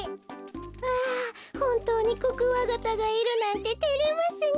ああほんとうにコクワガタがいるなんててれますねえ。